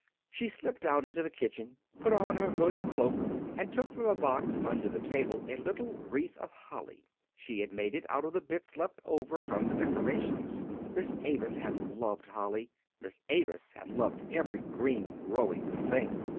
She slipped out into the kitchen, put on her hood and cloak, and took from a box under the table a little wreath of holly. She had made it out of the bits left over from the decorations. Miss Avis had loved holly; Miss Avis had loved every green, growing thing.